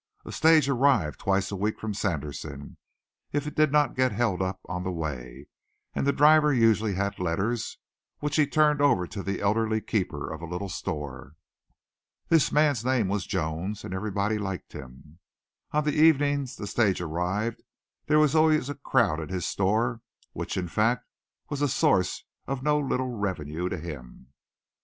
A stage arrived twice a week from Sanderson, if it did not get held up on the way, and the driver usually had letters, which he turned over to the elderly keeper of a little store. This man's name was Jones, and everybody liked him. On the evenings the stage arrived there was always a crowd at his store, which fact was a source of no little revenue to him.